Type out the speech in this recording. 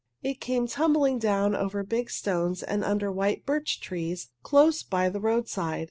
It came tumbling down over big stones and under white birch trees close by the roadside.